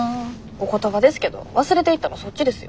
お言葉ですけど忘れていったのそっちですよね。